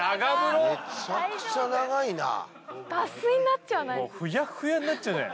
脱水になっちゃわない。